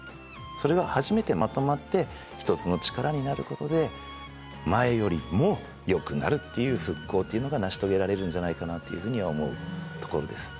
それが初めてまとまって一つの力になることで前よりもよくなるっていう復興というのが成し遂げられるんじゃないかなというふうには思うところです。